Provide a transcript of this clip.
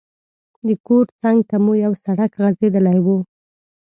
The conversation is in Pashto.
د کور څنګ ته مو یو سړک غځېدلی وو.